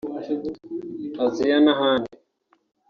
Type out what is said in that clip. Azia n’ahandi